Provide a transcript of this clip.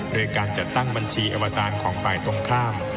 โดยการจัดตั้งบัญชีอวตารของฝ่ายตรงข้าม